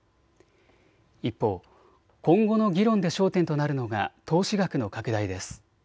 一方、今後の議論で焦点となるのが投資額の拡大です。